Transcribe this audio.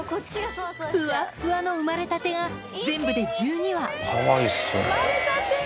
ふわっふわの生まれたてが全部で１２羽かわいいっすね。